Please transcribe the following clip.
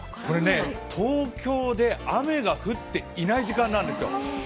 東京で雨が降っていない時間なんですよ。